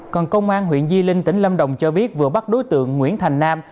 còn công an huyện di linh tỉnh lâm đồng cho biết vừa bắt đối tượng nguyễn thành nam